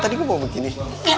tadi gue bawa begini